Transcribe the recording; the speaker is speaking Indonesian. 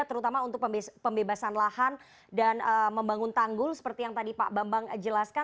terutama untuk pembebasan lahan dan membangun tanggul seperti yang tadi pak bambang jelaskan